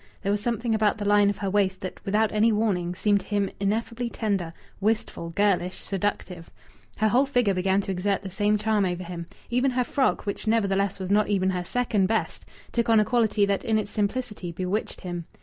There was something about the line of her waist that, without any warning, seemed to him ineffably tender, wistful, girlish, seductive. Her whole figure began to exert the same charm over him. Even her frock, which nevertheless was not even her second best, took on a quality that in its simplicity bewitched him.